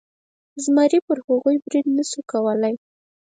زمري پر هغوی برید نشو کولی.